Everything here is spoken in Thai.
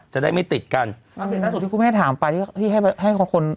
จะได้ไม่ติดกันอำเมตตุที่คุณไม่ได้ถามไปที่ให้ให้คนคน